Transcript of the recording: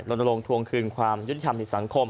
รณรงค์ทวงคืนความยุทิศธรรมในสังคม